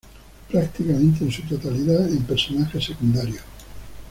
Prácticamente en su totalidad en personajes secundarios.